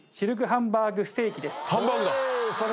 ハンバーグだ。